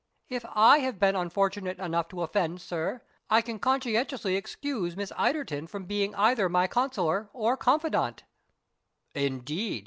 "If I have been unfortunate enough to offend, sir, I can conscientiously excuse Miss Ilderton from being either my counsellor or confidante." "Indeed!